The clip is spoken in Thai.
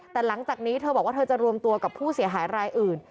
แต่หลังจากนี้เธอบอกว่าเธอจะรวมตัวกับผู้เสียหายรายอื่น